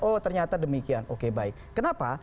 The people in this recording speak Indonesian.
oh ternyata demikian oke baik kenapa